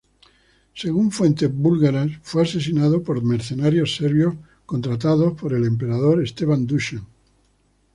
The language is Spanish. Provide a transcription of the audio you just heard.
Según fuentes búlgaras, fue asesinado por mercenarios serbios, contratados por el emperador Esteban Dušan.